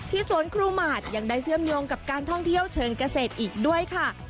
สวนครูหมาดยังได้เชื่อมโยงกับการท่องเที่ยวเชิงเกษตรอีกด้วยค่ะ